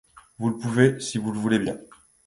Vous le pouvez, si vous le voulez bien.